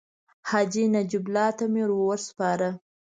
حاجي نجیب الله ته مې ورو سپاره.